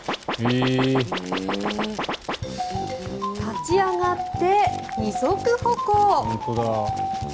立ち上がって二足歩行。